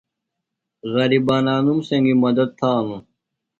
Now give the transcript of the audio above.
غرِبانوم سنگیۡ مدت تھانوۡ۔